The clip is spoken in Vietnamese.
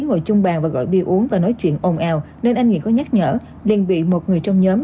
ngồi chung bàn và gọi bia uống và nói chuyện ồn ào nên anh nghị có nhắc nhở liên vị một người trong nhóm